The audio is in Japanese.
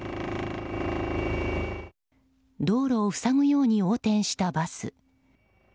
道路を塞ぐように横転したバス。